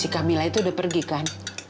si camilla itu udah pergi kan